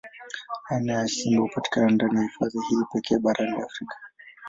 Aina hii ya simba hupatikana ndani ya hifadhi hii pekee barani Afrika.